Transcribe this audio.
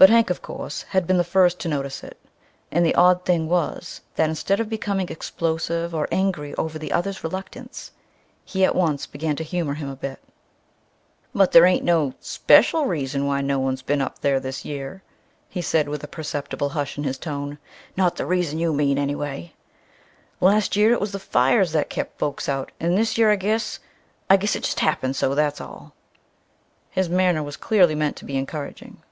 But Hank, of course, had been the first to notice it, and the odd thing was that instead of becoming explosive or angry over the other's reluctance, he at once began to humor him a bit. "But there ain't no speshul reason why no one's been up there this year," he said with a perceptible hush in his tone; "not the reason you mean, anyway! Las' year it was the fires that kep' folks out, and this year I guess I guess it jest happened so, that's all!" His manner was clearly meant to be encouraging.